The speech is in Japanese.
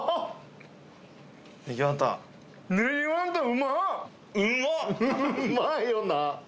うまいよな。